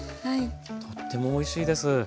とってもおいしいです。